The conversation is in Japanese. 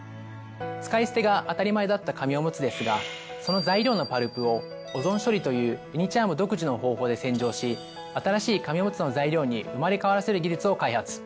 使い捨てが当たり前だった紙おむつですがその材料のパルプをオゾン処理というユニ・チャーム独自の方法で洗浄し新しい紙おむつの材料に生まれ変わらせる技術を開発。